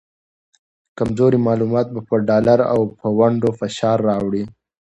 کمزوري معلومات به په ډالر او ونډو فشار راوړي